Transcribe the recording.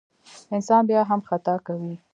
انسان بیا هم خطا کوي.